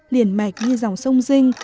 liền mạch như dòng sông rinh